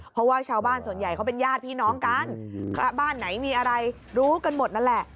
เพราะว่าชาวบ้านส่วนใหญ่เขาเป็นญาติพี่น้องกันบ้านไหนมีอะไรรู้กันหมดนั่นแหละ